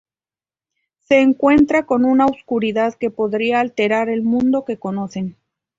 Se encuentran con una oscuridad que podría alterar el mundo que conocen.